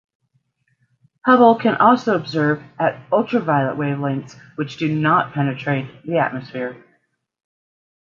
Hubble can also observe at ultraviolet wavelengths which do not penetrate the atmosphere.